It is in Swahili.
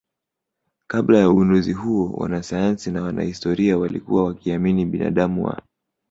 Kabla ya ugunduzi huo wanasayansi na wanahistoria walikuwa wakiamini binadamu wa